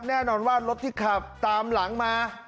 แน่นอนว่ารถที่ขับตามหลังมา